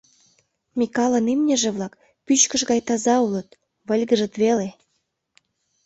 Микалын имньыже-влак пӱчкыш гай таза улыт, выльгыжыт веле.